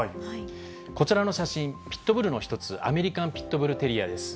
こちらの写真、ピットブルの一つ、アメリカ・ピットブル・テリアです。